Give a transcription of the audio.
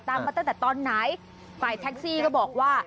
มาตั้งแต่ตอนไหนฝ่ายแท็กซี่ก็บอกว่า